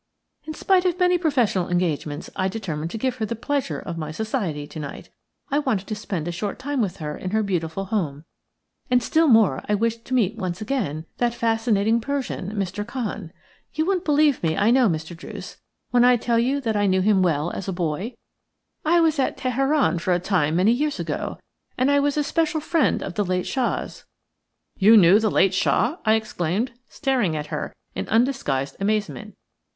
In spite of many professional engagements I determined to give her the pleasure of my society to night. I wanted to spend a short time with her in her beautiful home, and still more I wished to meet once again that fascinating Persian, Mr. Khan. You won't believe me, I know, Mr. Druce, when I tell you that I knew him well as a boy. I was at Teheran for a time many years ago, and I was a special friend of the late Shah's." "You knew the late Shah!" I exclaimed, staring at her in undisguised amazement.